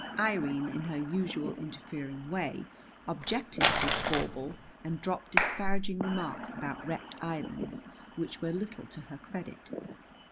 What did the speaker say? Irene in her usual interfering way objected to this bauble and dropped disparaging remarks about wrecked islands which were little to her credit.